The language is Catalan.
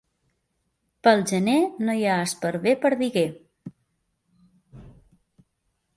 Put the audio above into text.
Pel gener no hi ha esparver perdiguer.